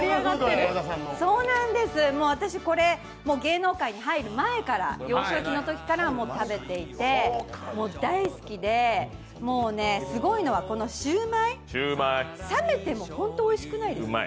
私、これ、芸能界に入る前から幼少期のころから食べていて大好きで、もうね、すごいのはシウマイ、冷めても冷めても本当おいしくないですか？